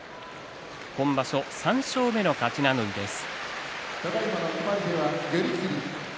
今場所、３勝目の勝ち名乗りです。